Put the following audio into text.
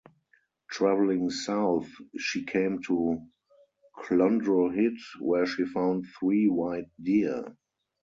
Travelling south, she came to Clondrohid where she found three white deer.